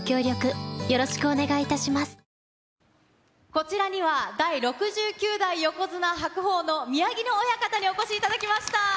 こちらには、第６９代横綱・白鵬の宮城野親方にお越しいただきました。